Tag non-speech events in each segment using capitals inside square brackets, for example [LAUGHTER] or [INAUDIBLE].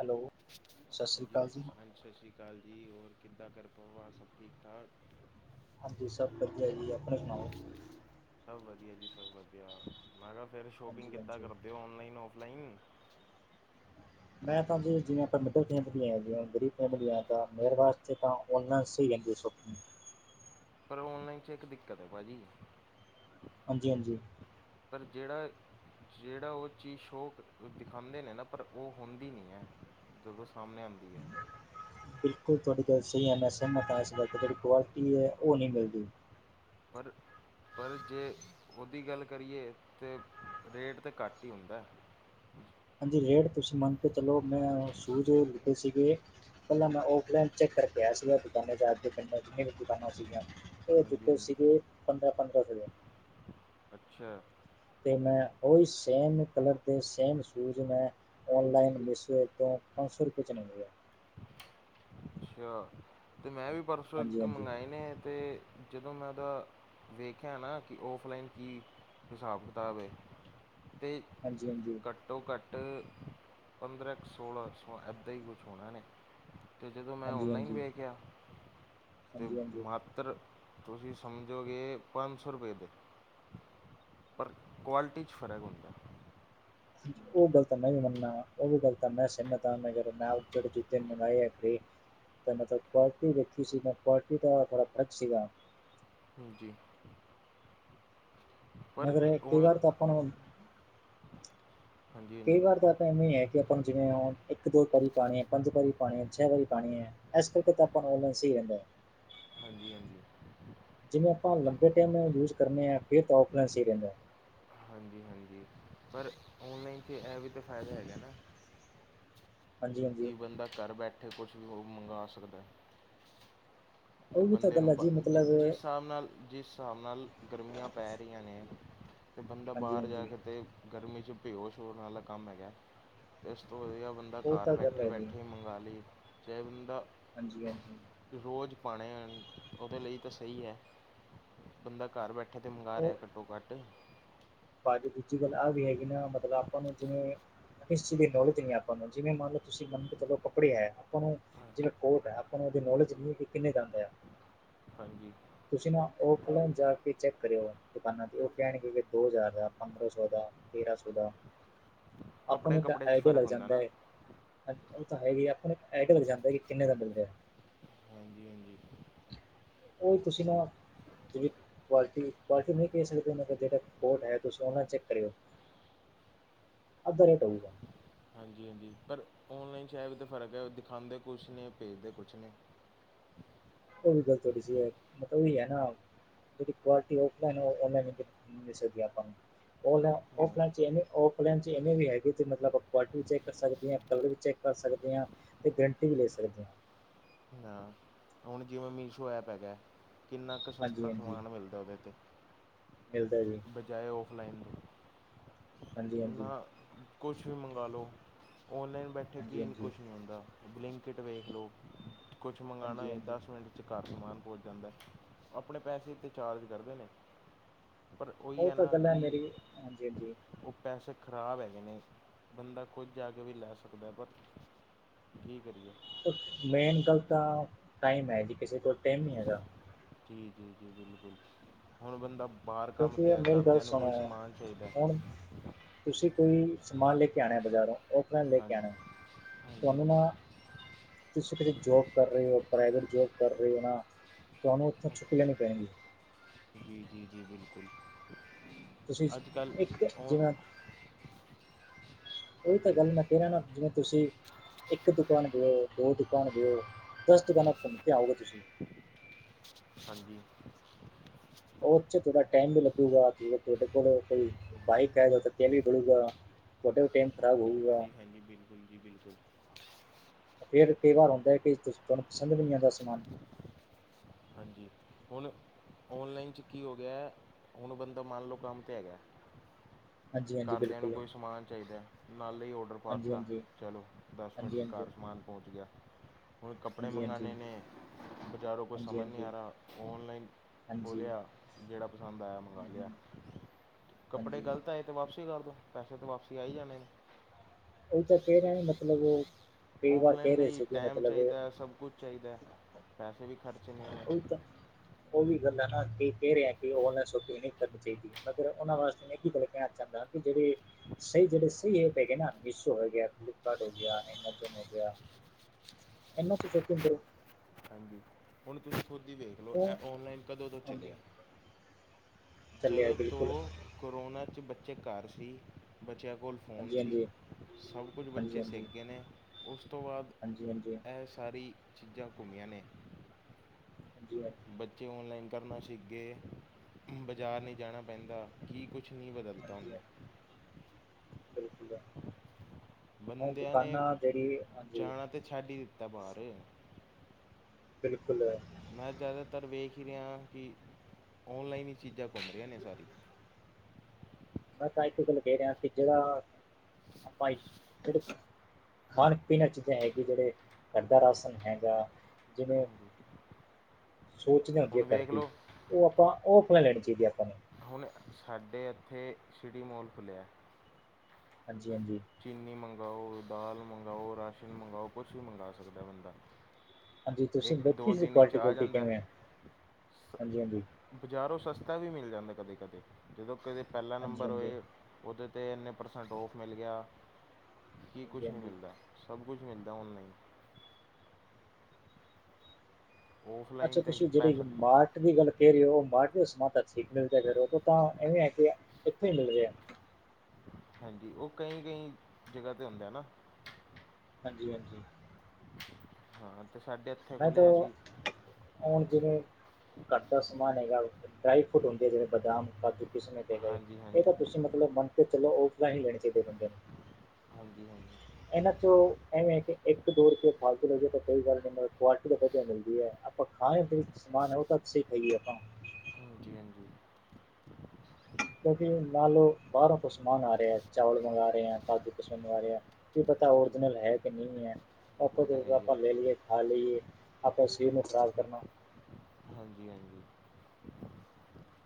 Hello, ਸਤਿ ਸ਼੍ਰੀ ਹਾਂਜੀ ਅਕਾਲ ਜੀ। ਹਾਂਜੀ ਸਤਿ ਸ਼੍ਰੀ ਅਕਾਲ ਜੀ, ਹੋਰ ਕਿੱਦਾਂ? ਘਰ ਪਰਿਵਾਰ ਸਭ ਠੀਕ ਠਾਕ। ਹਾਂਜੀ, ਸਭ ਵਧੀਆ ਜੀ ਆਪਣਾ ਸਭ ਵਧੀਆ ਜੀ, ਸਭ ਵਧੀਆ। ਮੈਂ ਕਿਆ ਫਿਰ ਸ਼ੋਪਿੰਗ ਹਾਂਜੀ ਕਿੱਦਾਂ ਹਾਂਜੀ ਕਰਦੇ ਔ, ਔਨਲਾਈਨ ਔਫਲਾਈਨ? ਮੈਂ ਤਾਂ ਜ ਜ ਆਪ ਮਿਡਲ ਫੈਮਿਲੀ ਹੈਾਂ ਜ ਗਰੀਬ ਫੈਮਲੀ ਹੈ ਤਾਂ ਮੇ ਵਾਸਤੇ ਤਾਂ ਉਹਨਾਂ ਸੀਹੀਦੇ ਸਭ ਪਰ ਔਨਲਾਈਨ 'ਚ ਇੱਕ ਦਿੱਕਤ ਹੈ ਭਾਅ ਜੀ ਹਾਂਜੀ ਹਾਂਜੀ ਪਰ ਜਿਹੜਾ ਜਹੜਾ ਉਹ ਚੀਜ਼ ਸ਼ੋਅ ਦਿਖਾਉਂਦੇ ਨੇ ਨਾ ਪਰ ਉਹ ਹੁੰਦੀ ਨਹੀਂ ਹੈ ਜਦੋਂ ਸਾਹਮਣੇ ਆਉਂਦੀ ਹੈ ਬਿਲਕੁਲ ਤੁਹਾਡੀ ਗੱਲ ਸਹੀ ਹੈ ਮੈਂ ਸਮਹਿਝਣਾ ਤਾਂ ਇਸਦਾਕੇ ਜਿਹੜੀ ਕੁਆਲਿਟੀ ਹੈ ਉਹ ਨਹੀਂ ਮਿਲਦੀ ਪਰ ਪਰ ਜੇ ਉਹਦੀ ਗੱਲ ਕਰੀਏ ਤਾਂ ਰੇਟ ਤਾਂ ਘੱਟ ਹੀ ਹੁੰਦਾ ਹਾਂਜੀ ਰੇਟ ਤੁਸੀਂ ਮੰਨ ਕੇ ਚਲੋ ਮੈਂ ਸ਼ੂਜ਼ ਲਤੇ ਸੀਗੇ ਪਹਿਲਾਂ ਮੈਂ ਓਫਲਾਨ ਚੱਕਰ ਕਿਹਾ ਸੀਗਾ ਦੁਕਾਨੇ ਚ ਪਿੰਡ ਜਿੰਨੀਆਂ ਵੀ ਦੁਕਾਨਾਂ ਸੀਗੀਆਂ ਹਾਂਜੀ ਜੁੱ ਹਾਂਜੀ ਸੀਗੇ ਖਦਰ ਪਦਰ ਗਿਆ ਅੱਛਾ ਤੇ ਮੈਂ ਉਓਹੀ ਸੇਮ ਕਲਰ ਦੇ ਸੇਮ ਸ਼ੂਜ ਮੈਂ ਔਲਾਈਨ ਬਸ ਤੋਂ ਪੰਜ ਸੌ ਰੁਪਏ ਚਲ ਮਿਲ ਹੈ ਅੱਛਾ ਤੇ ਮੈਂ ਵੀ ਪਰਸੋਂ ਹਾਂਜੀ ਇੱਕ ਹਾਂਜੀ ਮੰਗਵਾਏ ਨੇ ਤੇ ਜਦੋਂ ਮੈਂ ਉਹਦਾ ਵੇਖਿਆ ਨਾ ਕਿ ਔਫਲਾਈਨ ਕੀ ਹਿਸਾਬ ਕਿਤਾਬ ਹੈ ਤੇ ਹਾਂਜੀ ਹਾਂਜੀ ਘੱਟੋ ਘੱਟ ਪੰਦਰਾਂ ਕੁ ਸੋਲ੍ਹਾਂ ਸੌ ਇੱਦਾਂ ਹੀ ਕੁਛ ਹੋਣਾ ਨੇ ਅਤੇ ਜਦੋਂ ਮੈਂ ਹਾਂਜੀ ਔਨਲਾਈਨ ਹਾਂਜੀ ਵੇ ਕਿਹਾ ਅਤੇ ਹਾਂਜੀ ਹਾਂਜੀ ਮਾ ਉੱਤਰ ਤੁਸੀਂ ਸਮਝੋਗੇ ਪੰਜ ਸੌ ਰੁਪਏ ਦੇ ਪਰ ਕੁਆਲਿਟੀ 'ਚ ਫਰਕ ਹੁੰਦਾ ਉਹ ਗਲਤ ਮੈਂ ਵੀ ਮੰਨਨਾ ਉਹ ਵੀ ਗਲਤ ਮੈਂ ਸਹਿਮਤ ਹਾਂੈਂ ਮੈਂ ਜਹੜੇ ਜੂਤੇ ਮਨਾਏ ਤਾਂ ਮਤਲਬ ਕੁਆਲਟੀ ਦੇੇਖੀ ਸੀ ਮੈਂ ਕੁਆਲਟੀ ਦਾ ਥੋੜ੍ਹਾ ਫਰਕ ਸੀਗਾ ਹਜੀੀ ਮਗਰ ਕਈ ਵਾਰ ਤਾਂ ਆਪਾਂ ਹਾਂਜੀ ਕਈ ਹਾਂਜੀ ਵਾਰ ਤਾਂ ਆਪਾਂ ਇਵੇਂ ਹੀ ਹੈ ਕਿ ਆਪਾਂ ਨੂੰ ਜਿਵੇਂ ਹ ਇੱਕ ਦੋ ਪਾਰੀ ਪਾਣੀ ਹੈ ਪੰਜ ਪਾਰੀ ਪਾਉਣੀ ਹੈ ਛੇ ਵਾਰੀ ਪਾਉਣੀ ਹੈ ਇਸ ਕਰਕੇ ਤਾਂ ਹਾਂ- ਆਪਾਂੈਂ ਸ ਹੀ ਰਹਿੰਦਾ ਹਾਂਜੀ ਹਾਂਜੀ ਜਿਵੇਂ ਆਪਾਂ ਜੀ ਲੰਬੇ ਟਾਈਮ ਯੂਜ ਕਰਨੇ ਆ ਫਿਰ ਤਾਂ ਫਲਾਈਨ ਸਹੀਹਦਾ ਹਾਂਜੀ ਹਾਂਜੀ ਪਰ ਔਨਲਾਈਨ ' ਇਹ ਵੀ ਤਾਂ ਫ਼ਾਇਦਾ ਹੈਗਾ ਨਾ ਹਾਂਜੀ-ਹਾਂਜੀ ਕੀ ਬੰਦਾ ਘਰ ਬੈਠੇ ਕੁਝ ਵੀ ਹੋਰ ਮੰਗਵਾ ਸਕਦਾ ਹੈ ਤੇ ਉਹ ਵੀ ਤਾਂ ਬੰਦੇ ਗੱਲ ਹੈ ਨੂੰ ਜੀ ਜ ਮਤਲਬ ਜਿਸ ਹਿਸਾਬ ਨਾਲ ਜਿਸ ਹਿਸਾਬ ਨਾਲ ਗਰਮੀਆਂ ਪੈ ਰਹੀਆਂ ਨੇ ਅਤੇ ਬੰਦਾ ਬਾਹਰ ਜਾ ਹਾਂਜੀ-ਹਾਂਜੀ ਕੇ ਅਤੇ ਗਰਮੀ ਚ' ਬੇਹੋਸ- ਸ਼ ਵਾਲਾ ਕੰਮ ਹੈਗਾ। ਇਸ ਤੋਂ ਵੀਆ ਬੰਦਾ ਉਹ ਘਰ ਤਾਂ ਗੱਲ ਬੈਠੇ- ਹੈ ਜੀ ਬੈਠੇ ਮੰ ਬੰਗਾਾਲੀ ਜੇ ਬੰਦਾ ਹਾਂਜੀ- ਹਾਂਜੀ। ਰੋਜ਼ ਪਾਉਣੇ। ਉਹਦੇ ਲਈ ਤਾਂ ਸਹੀ ਹੈ। ਬੰਦਾ ਘਰ ਬੈਠੇ। ਅੱਠ ਤਾਂ ਮ ਮੰਗਵਾ ਰਿਹਾ ਘੱਟੋ ਘੱਟ ਭਜੀ ਦੂਜੀ ਗੱਲ ਆਹ ਵੀ ਹੈਗੀ ਨਾ ਮਤਲਬ ਆਪਾਂ ਨੂੰ ਜਿਵੇਂ ਕਿਸ ਚੀਜ਼ ਦੀ ਨੌਲੇਜ ਨਹੀਂ ਆਪਾਂ ਨੂੰ, ਜਿਵੇਂ ਮੰਨ ਲਓ ਤੁਸੀਂ ਮੰਨ ਚਲੋਂ ਕੱਪੜੇ ਐ, ਆਪਾਂ ਨੂੰ ਜਿਹੜਾ ਕੋਰਟ ਐ, ਆਪਾਂ ਨੂੰ ਉਹਦੇ ਨੋਲੇਜ ਨਹੀਂ ਕਿੰਨੇ ਜਾਂਦੇ ਆ। ਹਾਂਜੀ। ਤੁਸੀਂ ਨਾ ਉਹ ਪਹਿਲੇ ਜਾ ਕੇ ਚੈੱਕ ਕਰਿਓ, ਦੁਕਾਨਾਂ ਤੇ ਉਹ ਕਹਿਣ ਗੇ ਦੋ ਹਜ਼ਾਰ ਦਾ ਪੰਦਰਾਂ ਸੌ ਦਾ, ਤੇਰਾਂ ਸੌ ਦਾ, ਆਪਾਂ ਕੱਪੜੇ ਨੂੰ ਇੱਕ ਕੱਪੜੇ 'ਚ ਆਈਡੀਆ ਫ਼ਰਕ ਲੱਗ ਹੁੰਦਾ ਜਾਂਦਾ ਨਾ ਐ। ਹਾਂਜੀ, ਉਹ ਤਾਂ ਹੈਗੀ ਆਪਾਂ ਨੂੰ ਇੱਕ ਆਈਡੀਆ ਲੱਗ ਜਾਂਦਾ, ਕਿ ਕਿੰਨੇ ਦਾ ਮਿਲ ਰਿਹਾ। ਹਾਂਜੀ ਹਾਂਜੀ। ਉਹੀ ਤੁਸੀਂ ਨਾ ਜਿਵੇਂ ਕੁਆਲਟੀ ਪੈਸੇ ਨਹੀਂ ਕਹਿ ਸਕਦੇ, ਮੈਂ ਕਿਹਾ, ਜਿਹੜਾ ਕੋਟ ਹੈ। ਤੁਸੀਂ ਉਹ ਚੈੱਕ ਕਰਿਓ। ਅੱਧਾ ਰੇਟ ਹੋਊਗਾ। ਹਾਂਜੀ- ਹਾਂਜੀ, ਪਰ ਔਨਲਾਈਨ 'ਚ ਵੀ ਤਾਂ ਫਰਕ ਐ, ਦਿਖਾਉਂਦੇ ਕੁਛ ਨੇ ਭੇਜਦੇ ਕੁਛ ਨੇ। ਉਹ ਵੀ ਗੱਲ ਥੋੜੀ ਸਹੀ ਐ, ਮਤਲਬ ਹੀ ਹੈ ਨਾ। ਜਿਹੜੀ ਕੁਆਲਟੀ ਇਨ੍ਹਾਂ ਆਪਾਂ ਨੂੰ। [UNINTELLIGIBLE] ਓਨਲਾਈਨ, ਹਾਂ ਔਫਲਾਈਨ ਚ' ਔਫਲਾਈਨ ਚ' ਇਹਵੇ ਵੀ ਹੈਗੇ, ਮਤਲਬ ਆਪਾਂ ਕੁਆਲਿਟੀ ਵੀ ਚੈੱਕ ਕਰ ਸਕਦੇ ਹਾਂ। ਕਲਰ ਵੀ ਚੈਕ। ਕਰ ਸਕਦੇ ਆ। ਤੇ ਗਰੰਟੀ ਵੀ ਲੈ ਸਕਦੇ ਆ। ਨਾ। ਹੁਣ ਜਿਵੇਂ ਮੀਸ਼ੋ ਐਪ ਹੈਗਾ। ਕਿੰਨਾ ਕੁ ਹਾਂਜੀ ਸਸਤਾ ਹਾਂਜੀ ਸਮਾਨ ਮਿਲਦਾ ਉਹਦੇ 'ਤੇ। ਮਿਲਦਾ ਜੀ। ਬਜਾਏ ਔਫਲਾਈਨ ਹਾਂਜੀ ਦੇ। ਹਾਂਜੀ ਨਾ ਕੁਛ ਵੀ ਮੰਗਵਾ ਲਉ। ਔਨਲਾਈਨ ਬੈਠੇ ਕੀ ਹਾਂਜੀ ਨਹੀਂ ਹਾਂਜੀ ਕੁਛ ਨਹੀਂ ਹੁੰਦਾ। ਬਲਿੰਕੀਟ ਵੇਖ ਲਓ। ਕੁਛ ਮੰਗਵਾਉਣਾ ਹਾਂਜੀ ਹੋਏ, ਹਾਂਜੀ ਦਸ ਪਿੰਡ ਘਰ ਸਮਾਨ ਪਹੁੰਚ ਜਾਂਦਾ। ਆਪਣੇ ਪੈਸੇ ਏ ਤੇ ਚਾਰਜ ਕਰਦੇ ਨੇ। ਪਰ ਉਹ ਹੈ ਤਾਂ ਨਾ ਗੱਲ ਕਿ ਮੇਰੀ ਹਾਂਜੀ ਹਾਂਜੀ ਉਹ ਪੈਸੇ ਖ਼ਰਾਬ ਹੈਗੇ ਨੇ। ਬੰਦਾ ਕੁਝ ਜਾ ਕੇ ਵੀ ਲੈ ਸਕਦਾ। ਪਰ ਕੀ ਕਰੀਏ। ਮੇਨ ਗੱਲ ਤਾਂ ਟਾਈਮ ਹੈ ਜੀ, ਕਿਸੇ ਕੋਲ ਟਾਈਮ ਨੀ ਹੈਗਾ। ਜੀ- ਜੀ- ਜੀ ਬਿਲਕੁਲ, ਹੁਣ ਬੰਦਾ ਬਾਹਰ ਕੰਮ ਤੇ ਕਿਉਂਕਿ ਆ ਮੇਰੀ ਗੱਲ ਘਰਦਿਆਂ ਨੂੰ ਕੋਈ ਸੁਣੋ ਸਮਾਨ ਚਾਹੀਦਾ। ਹੁਣ ਤੁਸੀਂ ਕੋਈ ਸਮਾਨ ਲੈ ਕੇ ਆਉਣਾ ਬਾਜ਼ਾਰੋਂ। ਔਫਲਾਈਨ ਲੈ ਕੇ ਹਾਂਜੀ ਆਉਣਾ। ਹਾਂਜੀ ਤੁਹਾਨੂੰ ਨਾ ਤੁਸੀਂ ਕਿਤੇ ਜੋਬ ਕਰ ਰਹੇ ਹੋ, ਪ੍ਰਾਈਵੇਟ ਜੋਬ ਕਰ ਰਹੇ ਹੋ ਨਾ, ਤੁਹਾਨੂੰ ਉੱਥੋਂ ਛੁੱਟੀ ਲੈਣੀ ਪੈਂਗੀਆਂ। ਜੀ- ਜੀ- ਜੀ ਬਿਲਕੁਲ। ਤੁਸੀਂ ਅੱਜ ਕੱਲ੍ਹ, ਇੱਕ ਔਰ ਜਿਵੇਂ ਉਹੀ ਤਾਂ ਗੱਲ ਮੈਂ ਕਹਿ ਰਹੇ ਨਾ, ਜਿਵੇਂ ਤੁਸੀਂ ਇੱਕ ਦੁਕਾਨ ਗਓ, ਦੋ ਦੁਕਾਨ ਗਓ, ਦਸ ਦੁਕਾਨਾਂ ਘੁੰਮ ਕੇ ਆਓਗੇ ਤੁਸੀਂ। ਹਾਂਜੀ। ਉਹਥੇ ਥੋੜਾ ਟਾਈਮ ਵੀ ਲੱਗੂਗਾ, ਤੁਹਾਡੇ ਕੋਲ ਕੋਈ ਹਾਂਜੀ ਬਾਈਕ ਹੈਗਾ, ਤਾਂ ਤੇਲ ਵੀ ਪਾਓਗਾ। ਤੁਹਾਡਾ ਵੀ ਟਾਈਮ ਖਰਾਬ ਹੋਊਗਾ। ਹਾਂਜੀ ਹਾਂਜੀ, ਬਿਲਕੁਲ ਜੀ, ਬਿਲਕੁਲ। ਫੇਰ ਕਈ ਵਾਰ ਹੁੰਦਾ ਹੈ, ਕਿ ਤੁਹਾਨੂੰ ਪਸੰਦ ਵੀ ਨਹੀਂ ਆਉਂ ਸਮਾਨ। ਹਾਂਜੀ। ਹੁਣ, ਔਨਲਾਈਨ 'ਚ ਕੀ ਹੋ ਗਿਆ। ਹੁਣ ਬੰਦਾ ਮੰਨ ਲਉ ਕੰਮ ਤਾਂ ਹੈਗਾ। [INAUDIBLE] ਘਰਦਿਆਂ ਨੂੰ ਬਿਲਕੁਲ ਕੋਈ ਸਮਾਨ ਚਾਹੀਦਾ ਐ। ਨਾਲੇ ਔਡਰ ਹਾਂਜੀ ਪਾਤਾ ਹਾਂਜੀ ਚਲੋਂ, ਦਸ ਮਿੰਟ ਹਾਂਜੀ 'ਚ ਹਾਂਜੀ ਕਾਰ ਸਮਾਨ ਪਹੁੰਚ ਗਿਆ। ਹੁਣ ਕੱਪੜੇ ਹਾਂਜੀ-ਹਾਂਜੀ, ਮੰਗਾਉਣੇ ਨੇ ਬਜ਼ਾਰੋਂ ਕੋਈ ਸਮਝ ਨਹੀਂ ਆ ਹਾਂਜੀ-ਹਾਂਜੀ, ਰਿਹਾ। ਔਨਲਾਈਨ ਹਾਂਜੀ, ਖੋਲ੍ਹਿਆ ਹੂੰ-ਹੂੰ, ਜਿਹੜਾ ਪਸੰਦ ਆਇਆ ਮੰਗਵਾ ਹਾਂਜੀ। ਹੂੰ, ਲਿਆ। ਹੂੰ, ਕੱਪੜੇ ਹਾਂਜੀ ਗ਼ਲਤ ਆਏ ਤਾਂ ਵਾਪਸੀ ਕਰ ਦਿਉ, ਪੈਸੇ ਤਾਂ ਵਾਪਸੀ ਆਈ ਜਾਣੇ ਨੇ। ਉਹੀ ਤਾਂ ਕਹਿ ਰਿਹਾ ਮਤਲਬ ਉਹ ਕਈ ਵਾਰ ਓਫਲਾਈਨ ਕਹਿ ਰਹੇ ਲਈ ਸੀਗੇ ਟਾਈਮ ਮਤਲਬ ਚਾਹੀਦਾ ਉਹੀ ਐ। ਸਭ ਕੁਛ ਚਾਹੀਦਾ। ਪੈਸੇ ਵੀ ਖਰਚਣੇ ਨੇਂਂ ਉਹ ਤਾਂ ਉਹ ਵੀ ਗੱਲਾਂ ਨਾ ਕੀ ਕਹਿ ਰਿਹਾ ਕਿ ਉਹ ਛੋਪਿੰਗ ਨਹੀਂ ਕਰਨੀ ਚਾਹੀਦੀ। ਮਗਰ ਉਹਨਾਂ ਵਾਸਤੇ ਮੈਂ ਇੱਕ ਗੱਲ ਕਹਿਣਾ ਚਾਹੁੰਦਾ ਹਾਂ। ਕਿ ਜਿਹੜੇ ਸਹੀ ਜਿਹੜੇ ਸਹੀ ਐਪ ਹੈਗੇ ਨਾ। ਮੀਸ਼ੋ ਹੈਗੇ, ਫਲਿੱਪਕਾਰਟ ਹੋ ਗਿਆ, ਐਮਾਜੋਨ ਹੋ ਗਿਆ। ਇਹਨਾ ਚ ਸੌਪਿੰਗ ਕਰ ਹਾਂਜੀ, ਹੁਣ ਤੁਸੀਂ ਖੁਦ ਹੀ ਵੇਖ ਲਓ। ਉਹ ਇਹ ਔਨਲਾਈਨ ਕਦੋਂ ਤੋਂ ਹਾਂਜੀ ਚੱਲਿਆ। ਚੱਲਿਆ ਜਦੋਂ ਤੋਂ ਬਿਲਕੁਲ ਕੋੋਨਾ ਚ' ਬੱਚੇ ਘਰ ਸੀ। ਬੱਚਿਆਂ ਕੋਲ ਫੋਨ ਸੀ। ਹਾਂਜੀ-ਹਾਂਜੀ, ਸਭ ਕੁਝ ਬੱਚੇ ਸਿੱਕੇ ਨੇ। ਉਸ ਤੋਂ ਬਾਅਦ ਹਾਂਜੀ- ਹਾਂਜੀ। ਇਹ ਸਾਰੀ ਚੀਜ਼ਾਂ ਘੁੰਮੀਆਂ ਨੇ ਹਾਂਜੀ ਬੱਚੇ ਔਨਲਾਈਨ ਕਰਨਾ ਸਿੱਖਗੇ, ਬਾਜ਼ਾਰ ਨਹੀਂ ਜਾਣਾ ਪੈਂਦਾ ਕੀ ਕੁਛ ਨਹੀਂ ਬਦਲਤਾ ਹਾਂਜੀ ਹਾਂਜੀ ਹਾਂਜੀ, ਉਹਨੇ ਬਿਲਕੁਲ ਆ ਬੰਦਿਆਂ ਨੇ, ਜਾਣਾ ਤੇ ਛੱਡ ਹੀ ਦਿੱਤਾ ਬਾਹਰ ਬਿਲਕੁਲ ਮੈਂ ਜ਼ਿਆਦਾਤਰ ਵੇਖ ਹੀ ਰਿਹਾ ਕਿ ਔਨਲਾਈਨ ਹੀ ਚੀਜ਼ਾਂ ਘੁੰਮ ਰਹੀਆਂ ਨੇ ਸਾਰੀ ਮੈਂ ਤਾਂ ਇੱਕ ਗੱਲ ਕਹਿ ਰਿਹਾ ਸੀ ਜਿਹੜਾ ਆਪਾਂ ਖਾਣ ਪੀਣ ਚੀਜ਼ਾਂ ਹੈਗੀਆਂ ਜਿਹੜੇ ਕਰਦਾ ਹਾਂਜੀ ਰਾਸ਼ਨ ਹੈਗਾ ਜਿਵੇਂ ਹਾਂਜੀ ਸੋਚਦੇ ਹੁੰਦੀ ਹੈ ਹੁਣ ਵੇਖ ਕਰਦੀ, ਲਓ ਉਹ ਆਪਾਂ ਉਹ ਫਲ ਲੈਣੀ ਚਾਹੀਦੀ ਹੈ ਆਪਾਂ ਨੂੰ ਹੁਣ ਸਾਡੇ ਇੱਥੇ ਸਿਟੀ ਮੋਲ ਖੁੱਲ੍ਹਿਆ ਹਾਂਜੀ- ਹਾਂਜੀ। ਚੀਨੀ ਮੰਗਾਵਾਓ, ਦਾਲ ਮੰਗਾਵਾਓ, ਰਾਸ਼ਨ ਮੰਗਾਵਾਓ ਕੁਛ ਵੀ ਮੰਗਾਵਾ ਸਕਦਾ ਬੰਦਾ ਹਾਂਜੀ ਤੁਸੀਂ ਇੱਕ ਵੇਖੀ ਦੋ ਸੀ ਦਿਨ ਚ ਕੁਆਲਿਟੀ ਆ ਕੁਆਲਿਟੀ ਜਾਂਦਾ ਕਿਵੇਂ ਹੈ ਹਾਂਜੀ ਹਾਂਜੀ ਬਜ਼ਾਰੋਂ ਸਸਤਾ ਵੀ ਮਿਲ ਜਾਂਦਾ ਕਦੇ -ਕਦੇ ਜਦੋਂ ਕਦੇ ਪਹਿਲਾ ਹਾਂਜੀ ਨੰਬਰ ਹਾਂਜੀ ਹੋਏ। ਉਹਦੇ 'ਤੇ ਇੰਨੇ ਪ੍ਰਸੈਂਟ ਔਫ ਮਿਲ ਗਿਆ, ਕੀ ਹਾਂਜੀ ਕੁਛ ਨਹੀਂ ਹਾਂਜੀ ਮਿਲਦਾ ਸਭ ਕੁਛ ਮਿਲਦਾ ਔਨਲਾਈਨ ਅੱਛਾ, ਔਫਲਾਈਨ ਤੇ ਤੁਸੀਂ ਜਿਹੜੀ ਪੈਸਾ ਮਾਰ ਦੀ ਗੱਲ ਕਹਿ ਰਹੇ ਹੋ ਉਹ ਮਾਰਟ ਦਾ ਸਮਾਨ ਤਾਂ ਠੀਕ ਮਿਲਦਾ ਫਿਰ ਉਹ ਤਾਂ ਇਵੇਂ ਹੈ ਕਿ ਇੱਥੋਂ ਹੀ ਮਿਲ ਜਾ ਹਾਂਜੀ, ਉਹ ਕਈ- ਕਈ ਜਗ੍ਹਾ ਤੇ ਹੁੰਦੇ ਨਾ। ਹਾਂਜੀ- ਹਾਂਜੀ। ਹਾਂ, ਤੇ ਸਾਡੇ ਇਥੇ ਮੈਂ ਤਾਂ ਖੁੱਲਿਆ ਸੀ ਹੁਣ ਹਾਂਜੀ ਜਿਵੇਂ ਘਰਦਾ ਸਮਾਨ ਹੈਗਾ ਡਰਾਈ ਫਰੂਟ ਹੁੰਦੇ ਜਿਵੇੇ ਬਦਾਮ, ਕਾਜੂ ਕਿਸੇਂ ਦੇ ਹਾਂਜੀ ਇਹ ਹਾਂਜੀ ਤਾਂ ਤੁਸੀਂ ਮਤਲਬ ਮੰਨ ਕੇ ਚਲੋ ਉਫਲਾਈਨ ਹੀ ਲੈਣੇ ਚਾਹੀਦੇ ਬੰਦੇ ਨੂੰ ਹਾਂਜੀ- ਹਾਂਜੀ। ਇਹਨਾਂ ਚੋਂ ਐਵੇਂ ਕਿ ਇੱਕ ਦੋ ਰੁਪਏ ਫਾਲਤੂ ਲੈ ਜਾਓ ਤਾਂ ਕੋਈ ਗੱਲ ਨਹੀਂ ਮਤਲਬ ਕੁਆਲਟੀ ਤਾਂ ਵਧੀਆ ਮਿਲਦੀ ਹੈ ਖਾਏ ਸ ਸਮਾਨ ਹੈ ਉਹ ਤਾਂ ਅੱਛੇ ਖਾਗੀ ਆਪਾਂ ਹਾਂਜੀ-ਹਾਂਜੀ। ਕਿਉਂਕਿ ਨਾ ਲਓ ਬਾਹਰੋਂ ਕੋ ਸਮਾਨ ਆ ਰਿਹਾ ਚਾਵਲ ਮੰਗਵਾ ਰਹੇ ਆ, ਕਾਜ਼ੂ ਕਿਸਮਿਸ ਮੰਗਵਾ ਰਹੇ ਆ ਕੀ ਪਤਾ ਹਾਂਜੀ ਓਰਜਨਲ ਹੈ ਕਿ ਨਹੀਂ ਹੈ ਆਪ ਉਹ ਤਾਂ ਹੈ ਹੀ ਹੈ ਆਪਾਂ ਲੈ ਲਈਏ ਖਾ ਲਈਏ ਆਪਾਂ ਸਰੀਰ ਨੂੰ ਖ਼ਰਾਬ ਕਰਨਾ ਹਾਂਜੀ-। ਹਾਂਜੀ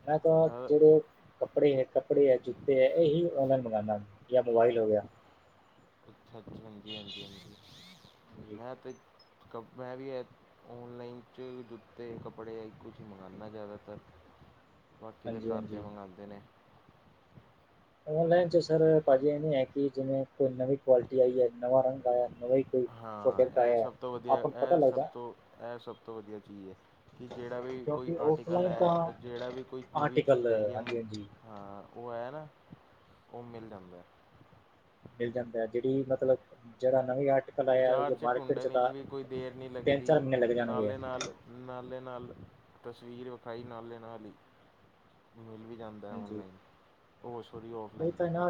ਮੈਂ ਤਾਂ ਸਰ ਜਿਹੜੇ ਕੱਪੜੇ ਹੈ ਕੱਪੜੇ ਹੈ ਜੁੱਤੇ ਹੈ ਇਹੀ ਔਨਲਾਈਨ ਮੰਗਵਾਉਂਦਾ ਹ ਜਾਂ ਮੋਬਾਈਲ ਹੋ ਗਿਆ ਹਾਂਜੀ -ਹਾਂਜੀ -ਹਾਂਜੀ ਜੀ, ਮੈਂ ਤੇ। ਮੈਂ ਵੀ, ਔਨਲਾਈਨ 'ਚ ਜੁੱਤੇ, ਕੱਪੜੇ ਕੁਛ ਮੰਗਉਂਦਾ ਜ਼ਿਆਦਾਤਰ। [INAUDIBLE] ਬਾਕੀ ਤਾਂ, ਘਰ ਦੇ ਹਾਂਜੀ-ਹਾਂਜੀ। ਮੰਗਵਾਉਂਦੇ ਨੇ। ਔਨਲਾਈਨ ਚ, ਸਰ, ਭਾਜੀ ਇਵੇਂ ਹੈ ਕਿ, ਜਿਵੇਂ ਕੋਈ ਨਵੀਂ ਕੁਆਲਿਟੀ ਆਈ ਹੈ ਨਵਾਂ ਰੰਗ ਆਇਆ ਨਵੀ ਹਾਂ ਇਹ ਸਭ ਤੋਂ ਵਧੀਆ ਪਤਾ ਇਹ ਸਭ ਲੱਗਦਾ ਤੋਂ ਇਹ ਸਭ ਤੋਂ ਵਧੀਆ ਚੀਜ਼ ਹੈ। ਕਿ ਜਿਹੜਾ ਵੀ ਕੋਈ ਕਿਉਂਕਿ ਆਰਟੀਕਲ ਔਫਲਾਈਨ ਹੈ, ਤਾਂ ਜਿਹੜਾ ਵੀ ਕੋਈ ਨਵੀਂ ਆਰਟੀਕਲ ਚੀਜ਼ ਆਈ ਹੈ। ਹਾਂਜੀ-ਹਾਂਜੀ ਹਾਂ ਉਹ ਹੈ ਨਾ ਉਹ ਮਿਲ ਜਾਂਦਾ ਮਿਲ ਜਾਂਦਾ ਹੈ ਜਿਹੜੀ ਮਤਲਬ ਜਿਹੜਾ ਨਵੀ ਆਰਟ ਬਜ਼ਾਰ 'ਚ ਢੂੰਡਣ ' ਵੀ ਕੋਈ ਦੇਰ ਨਹੀਂ ਤਿੰਨ-ਚਾਰ ਲੱਗਦੀ ਮਹੀਨੇ ਲੱਗ ਜਾਣਗੇ, ਨਾਲੇ ਨਾਲ ਨਾਲੇ ਨਾਲ ਤਸਵੀਰ ਵਿਖਾਈ ਨਾਲੇ ਨਾਲ ਹੀ ਮਿਲ ਵੀ ਜਾਂਦਾ ਹੈ ਹਾਂਜੀ ਔਨਲਾਈਨ ਹੋਸ਼ਰੀ ਹੋ ਉਹ ਤਾਂ ਨਾ,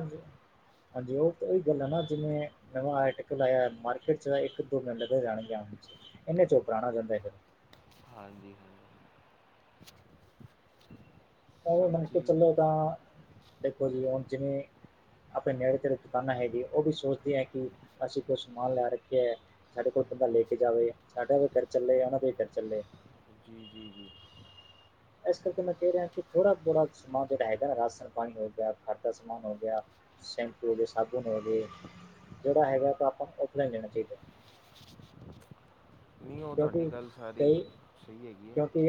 ਹਾਂਜੀ ਉਹ ਤਾਂ ਉਹੀ ਗੱਲ ਹੈ ਨਾ ਜਿਵੇਂ ਮ ਆ ਲਆ ਮਾਰਕੀਟ ਚ ਇੱਕ ਦੋ ਮਿੰਟ ਜਾਣਗੇ ਇਨੇ ਚੋ ਪੁਰਾਣਾ ਜਾਂਦਾ ਫ [UNINTELLIGIBLE] ਹਾਂਜੀ- ਹਾਂਜੀ। ਉਵੇਂ ਸਭ ਮਨ ਕੇ ਚੀਜ਼ ਚੱਲੋ ਤਾਂ, ਦੇਖੋ ਜੀ ਹੁਣ ਜਿਵੇਂ ਆਪਣੇ ਨੇੜੇ -ਤੇੜੇ, ਦੁਕਾਨਾਂ ਹੈਗੀਆਂ, ਉਹ ਵੀ ਸੋਚਦੇ ਹੈ, ਕਿ ਅਸੀਂ ਕੋਈ ਸਮਾਨ ਲੈ ਰੱਖੇ ਹੈ। ਸਾਡੇ ਕੋਲ ਬੰਦਾ ਲੈ ਕੇ ਜਾਵੇ, ਸਾਡਾ ਵੀ ਘਰ ਚੱਲੇ, ਉਹਨਾਂ ਦਾ ਵੀ ਘਰ ਚੱਲੇ। ਜੀ -ਜੀ, ਜੀ। ਇਸ ਕਰਕੇ ਮੈਂ ਕਹਿ ਰਿਹਾ ਕਿ, ਥੋੜਾ -ਬੋੜਾ ਸਮਾਨ ਜਿਹੜਾ ਹੈਗਾ ਨਾ ਰਾਸ਼ਨ ਪਾਣੀ ਹੋ ਗਿਆ, ਘਰ ਦਾ ਸਮਾਨ ਹੋ ਗਿਆ। ਸ਼ੈਂਪੂ ਹੋ ਗਏ, ਸਾਬੁਨ ਹੋ ਗਏ ਜਿਹੜਾ ਹੈਗਾ ਉਹ ਤਾਂ, ਆਪਾਂ ਨੂੰ ਔਫਲਾਈਨ ਲੈਣਾ ਚਾਹੀਦਾ। ਨਹੀਂ ਉਹ ਤੁਹਾਡੀ ਕਿਉਂਕਿ ਗੱਲ ਸਾਰੀ ਕਈ, ਸਹੀ ਹੈਗੀ ਹੈ ਕਿਉਂਕਿ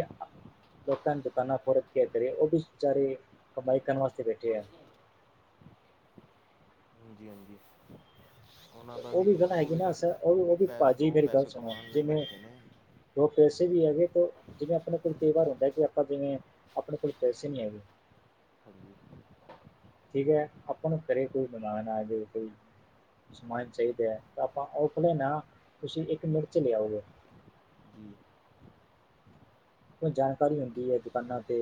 ਲੋਕਾਂ ਦੁਕਾਨਾਂ ਖੋਰ ਕੇ ਕਰੇ, ਉਹ ਵੀ ਵਿਚਾਰੇ ਕਮਾਈ ਕਰਨ ਵਾਸਤੇ ਬੈਠੇ ਆ। ਹਾਂਜੀ -ਹਾਂਜੀ। ਉਹਨਾਂ ਉਹ ਵੀ ਪਤਾ ਹੈਗੀ ਨਾ, ਉਹ -ਉਹ ਵੀ ਪੈ ਭਾਜੀ ਦੋ ਮੇਰੀ ਗੱਲ ਪੈਸੇ ਸੁਣਾ ਕਮਾਉਣ ਲਈ ਜਿਵੇਂ ਬੈਠੇ ਨੇ ਦੋ ਪੈਸੇ ਵੀ ਹੈਗੇ, ਤੇ ਜਿਵੇਂ ਆਪਣੇ ਕੋਲ ਕਈ ਵਾਰ ਹੁੰਦਾ, ਕਿ ਆਪਾਂ ਜਿਵੇਂ ਆਪਣੇ ਕੋਲ ਪੈਸੇ ਨਹੀਂ ਹੈਗੇ। ਹਾਂਜੀ। ਠੀਕ ਹੈ, ਆਪਾਂ ਨੂੰ ਘਰੇ ਕੋਈ ਮਨਾਣ ਆ ਜਾਏ ਕੋਈ। ਸਮਾਨ ਚਾਹੀਦਾ ਹੈ, ਤਾਂ ਆਪਾਂ ਆਫਲਾਈਨ ਨਾ, ਤੁਸੀਂ ਇੱਕ ਮਿਨਟ ਵਿੱਚ ਲਿਆਓਗੇ। ਜੀ ਜਾਣਕਾਰੀ ਹੁੰਦੀ ਹੈ, ਦੁਕਾਨਾਂ ਤੇ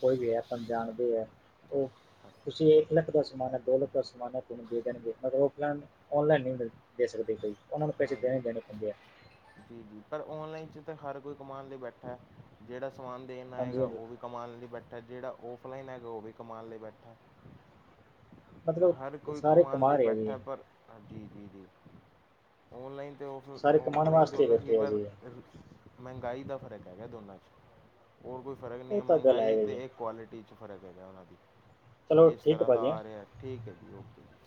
ਕੋਈ ਵੀ ਹੈ, ਆਪਾਂ ਜਾਣਦੇ ਹੈ। ਉਹ ਹਾਂ- ਤੁਸੀਂ ਇੱਕ ਲੱਖ ਦਾ ਸਮਾਨ ਹੈ, ਦੋ ਲੱਖ ਦਾ ਸਮਾਨ ਹੈ, ਤੁਹਾਨੂੰ ਦੇ ਦੇਣਗੇ, ਮਤਲਬ ਆਫਲਾਈਨ ਔਨਲਾਈਨ ਨਹੀਂ, ਮਿਲ ਦੇ ਸਕਦੇ ਕੋਈ, ਉਹਨਾਂ ਨੂੰ ਪੈਸੇ ਹਾਂਜੀ ਦੇਣੇ, ਦੇਣੇ ਪੈਂਦੇ ਆ। ਜੀ ਜੀ, ਪਰ ਔਨਲਾਈਨ ਚ ਤਾਂ ਹਰ ਕੋਈ ਕਮਉਣ ਲਈ ਬੈਠਾ, ਜਿਹੜਾ ਸਮਾਨ ਦੇਣ ਹਾਂਜੀ ਆਏਗਾ ਹਾਂਜੀ ਉਹ ਵੀ ਕਮਉਣ ਲਈ ਬੈਠਾ, ਜਿਹੜਾ ਆਫਲਾਈਨ ਹੈਗਾ ਉਹ ਵੀ ਕਮਉਣ ਲਈ ਬੈਠਾ। ਮਤਲਬ ਹਰ ਕੋਈ ਸਾਰੇ ਕਮਾਉਣ ਲਈ ਕਮਾ ਰਹੇ ਆ ਬੈਠਾ, ਜੀ ਪਰ ਹਾਂਜੀ, ਜੀ -ਜੀ, ਔਨਲਾਈਨ ਅਤੇ ਔਫ, ਸਾਰੇ ਕਮਾਉਣ ਔਫਲਾਈਨ ਵਾਸਤੇ ਦੋਨੋਂ ਸਹੀ ਬੈਠੇ ਆ ਪਰ ਜੀ ਮਹਿੰਗਾਈ ਦਾ ਫਰਕ ਹੈਗਾ ਦੋਨਾਂ 'ਚ, ਹੋਰ ਕੋਈ ਫਰਕ ਨਹੀਂ ਇਹ ਹੈ, ਤਾਂ ਗੱਲ ਮਹਿੰਗਾਈ ਜੀ ਅਤੇ ਇੱਕ ਕੁਆਲਿਟੀ 'ਚ ਫਰਕ ਹੈਗਾ, ਉਹਨਾਂ ਦੀ, ਚਲੋ ਕਿਸ ਠੀਕ ਹੈ ਤਰ੍ਹਾਂ ਦਾ ਭਾਜੀ ਹੈਂ। ਆ ਰਿਹਾ, ਠੀਕ ਹੈ ਜੀ, ਓਕੇ ਜੀ।